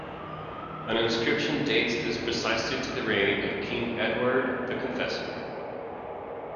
An inscription dates this precisely to the reign of King Edward the Confessor.